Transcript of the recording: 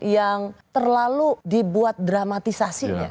yang terlalu dibuat dramatisasinya